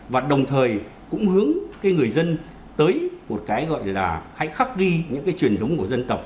và đồng thời cũng hướng cái người dân tới một cái gọi là hãy khắc ghi những cái truyền thống của dân tộc